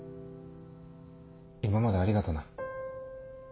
今までありがとな。